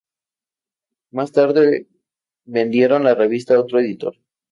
Más tarde vendieron la revista a otro editor.